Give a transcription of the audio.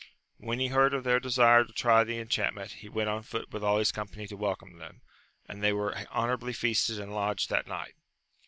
When he heard of their desire to try the enchantment, he went on foot with all his company to welcome them, and they were honourably feasted and lodged that night.